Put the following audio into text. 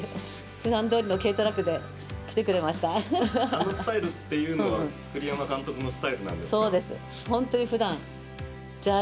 あのスタイルっていうのは栗山監督のスタイルなんですか？